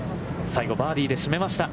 最後、バーディーで締めました。